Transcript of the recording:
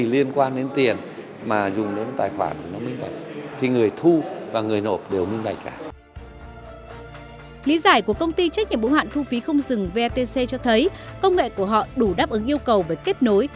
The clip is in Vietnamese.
lý giải của công ty trách nhiệm bổ hoạn thu phí không dừng cho thấy công nghệ của họ đủ đáp ứng yêu cầu về kết nối